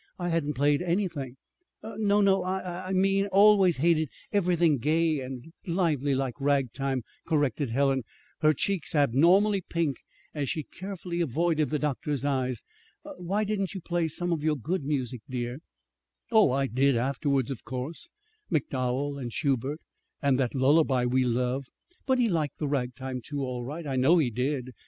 I hadn't played anything!" "No, no, I I mean always hated everything gay and lively like ragtime," corrected Helen, her cheeks abnormally pink, as she carefully avoided the doctor's eyes. "Why didn't you play some of your good music, dear?" "Oh, I did, afterwards, of course, MacDowell and Schubert, and that lullaby we love. But he liked the ragtime, too, all right. I know he did.